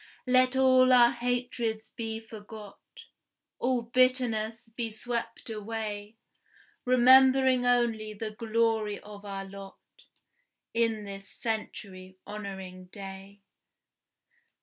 Let all our hatreds be forgot, All bitterness be swept away, Remembering only the glory of our lot In this century honoring day!